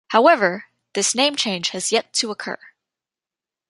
However, this name change has yet to occur.